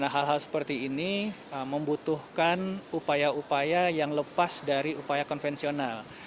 hal hal seperti ini membutuhkan upaya upaya yang lepas dari upaya konvensional